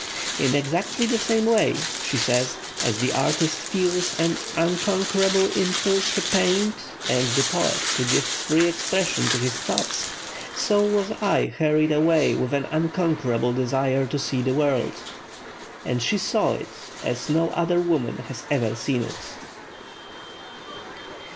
"In exactly the same way," she says, "as the artist feels an unconquerable impulse to paint, and the poet to give free expression to his thoughts, so was I hurried away with an unconquerable desire to see the world." And she saw it as no other woman has ever seen it.